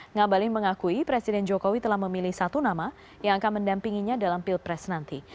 ngabalin mengakui presiden jokowi telah memilih satu nama yang akan mendampinginya dalam pilpres nanti